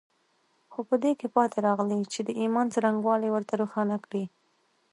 خو په دې کې پاتې راغلي چې د ايمان څرنګوالي ورته روښانه کړي.